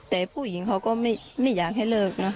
แต่ผู้หญิงเขาก็ไม่อยากให้เลิกนะ